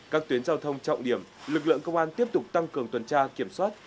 các tuyến giao thông trọng điểm lực lượng công an tiếp tục tăng cường tuần tra kiểm soát